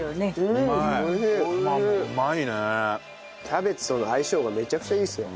キャベツとの相性がめちゃくちゃいいですよ。